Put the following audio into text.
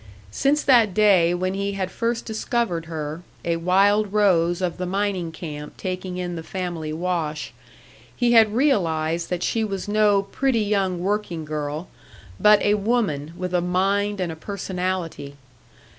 Since that day when he had first discovered her, a wild rose of the mining camp taking in the family wash, he had realised that she was no pretty young working girl, but a woman with a mind and a personality.